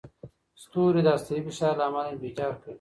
ستوري د هستوي فشار له امله انفجار کوي.